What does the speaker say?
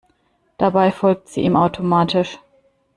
Dabei folgt sie ihm automatisch.